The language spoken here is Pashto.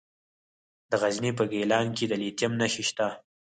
د غزني په ګیلان کې د لیتیم نښې شته.